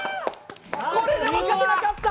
これでも勝てなかった。